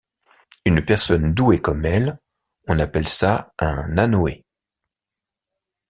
Une personne douée comme elle, on appelle ça un Anoé.